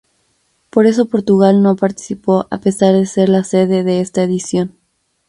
Por eso Portugal no participó a pesar de ser la sede de esta edición.